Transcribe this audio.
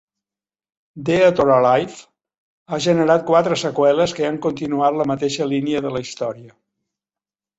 "Dead or Alive" ha generat quatre seqüeles que han continuat la mateixa línia de la història.